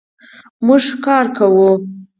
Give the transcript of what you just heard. مونږ کار کوو